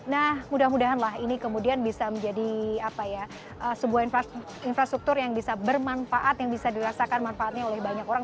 nah mudah mudahan lah ini kemudian bisa menjadi sebuah infrastruktur yang bisa bermanfaat yang bisa dirasakan manfaatnya oleh banyak orang